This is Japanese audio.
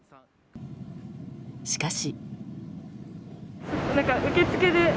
しかし。